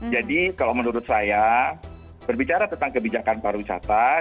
jadi kalau menurut saya berbicara tentang kebijakan pariwisata